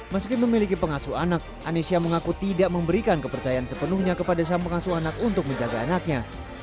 meski memiliki pengasuh anak anesya mengaku tidak memberikan kepercayaan sepenuhnya kepada sang pengasuh anak untuk menjaga anaknya